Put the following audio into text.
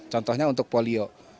contohnya untuk polio